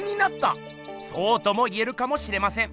そうとも言えるかもしれません。